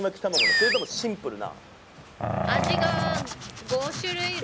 それともシンプルな？